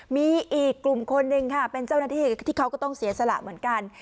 มีอีกกลุ่มคนหนึ่งค่ะเป็นเจ้าหน้าที่ที่เขาก็ต้องเสียสละเหมือนกัน